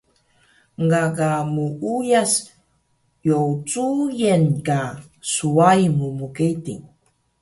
Gaga muuyas yocuyen ka swai mu mqedil